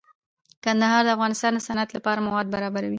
کندهار د افغانستان د صنعت لپاره مواد برابروي.